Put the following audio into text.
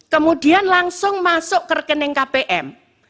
kemudian langsung masuk ke rekening kpm